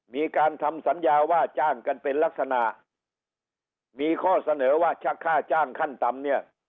มีการทำสัญญาว่าจ้างกันเป็นลักษณะมีข้อเสนอว่าชักค่าจ้างขั้นต่ำเนี่ย